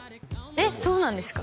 えっそうなんですか？